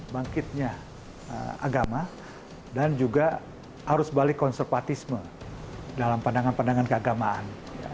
bangkitnya agama dan juga arus balik konservatisme dalam pandangan pandangan keagamaan